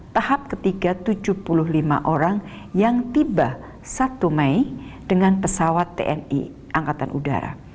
tahap ketiga tujuh puluh lima orang yang tiba satu mei dengan pesawat tni angkatan udara